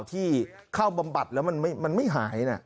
ที่เข้าบำบัดแล้วมันไม่หายนะ